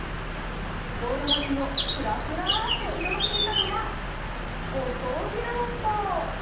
道路脇をふらふらっと移動していたのはお掃除ロボット。